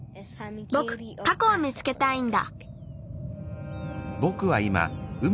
ぼくタコを見つけたいんだ。